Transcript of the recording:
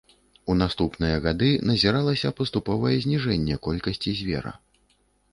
У наступныя гады назіралася паступовае зніжэнне колькасці звера.